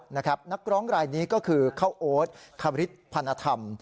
นักร้องรายนี้ก็คือเข้าโอ๊ตคาริสพนธรรม